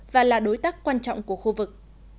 và là đối tác quan trọng của khu vực